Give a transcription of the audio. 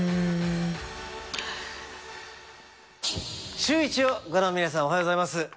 シューイチをご覧の皆さん、おはようございます。